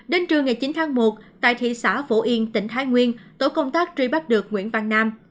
đến trưa ngày chín tháng một tại thị xã phổ yên tỉnh thái nguyên tổ công tác truy bắt được nguyễn văn nam